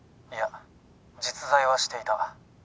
いや実在はしていた。